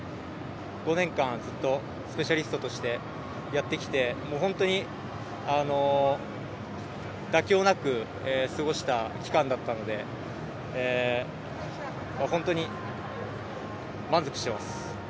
５年間ずっとスペシャリストとしてやってきて、本当に妥協なく過ごした期間だったので本当に満足しています。